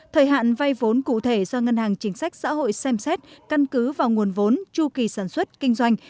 thời hạn vay vốn cụ thể do ngân hàng chính sách xã hội xem xét căn cứ vào nguồn vốn chu kỳ sản xuất kinh doanh